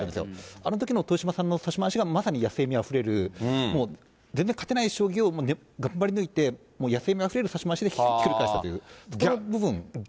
あのときの豊島さんの指し回しが、まさに野性味あふれる、もう全然勝てない将棋を、頑張り抜いて、もう野性味あふれる指し回しでひっくり返したという、その部分です。